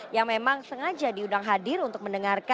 yang memang sengaja diundang hadir untuk mendengarkan